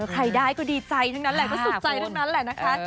ใครได้ก็ดีใจทั้งนั้นแหละก็สุขใจทั้งนั้นแหละนะคะ